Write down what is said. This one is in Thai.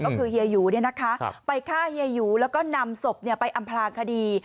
ก็คือเฮียหยูไปฆ่าเฮียหยูแล้วก็นำศพไปอำพลางคดี